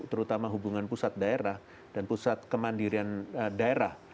terutama hubungan pusat daerah dan pusat kemandirian daerah